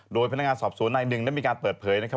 โดยพนักงานสอบสวนนายหนึ่งได้มีการเปิดเผยนะครับ